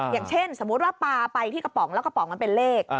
อย่างเช่นสมมุติว่าปลาไปที่กระป๋องแล้วกระป๋องมันเป็นเลข